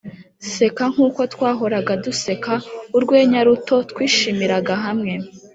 seka nkuko twahoraga duseka urwenya ruto twishimiraga hamwe.